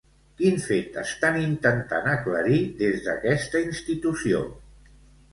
Quin fet estan intentant aclarir des d'aquesta institució?